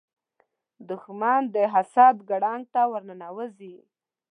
دښمن د حسد ګړنګ ته ورننوځي